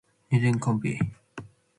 Nëdën caumbi